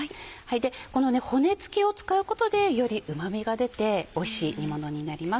この骨つきを使うことでよりうま味が出ておいしい煮物になります。